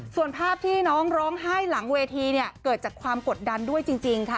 ส่วนภาพที่น้องร้องไห้หลังเวทีเนี่ยเกิดจากความกดดันด้วยจริงค่ะ